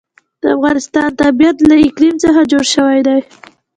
د افغانستان طبیعت له اقلیم څخه جوړ شوی دی.